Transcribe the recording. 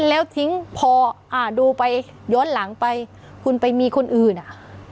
แล้วทิ้งพออ่าดูไปย้อนหลังไปคุณไปมีคนอื่นอ่ะ